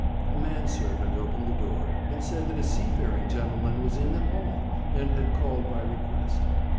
A man servant opened the door, and said that a seafaring gentleman was in the 'all, and had called by request.